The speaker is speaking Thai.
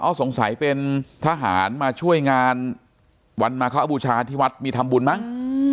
เอาสงสัยเป็นทหารมาช่วยงานวันมาคบูชาที่วัดมีทำบุญมั้ง